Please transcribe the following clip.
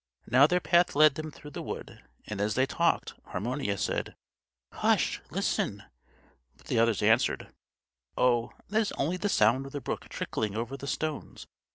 Now their path led them through the wood; and as they talked, Harmonius said: "Hush! listen!" But the others answered: "Oh! that is only the sound of the brook trickling over the stones.